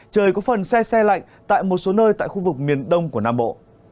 trời có phần xe xe lạnh tại một số nơi tại khu vực miền đông của nam bộ